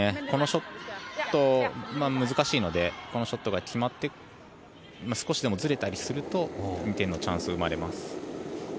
このショット、難しいのでこのショットが決まって少しでもずれたりすると２点のチャンスが生まれます。